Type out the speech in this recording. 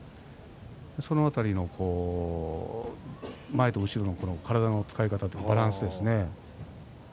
その辺りの前と後ろの体の使い方バランスですね。